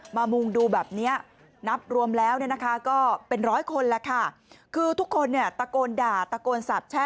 มามุงดูแบบเนี้ยนับรวมแล้วเนี่ยนะคะก็เป็นร้อยคนแหละค่ะ